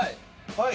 はい。